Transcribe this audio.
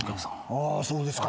あそうですか。